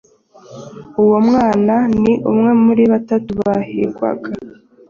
uwo mwana ni umwe muri batatu bahigwaga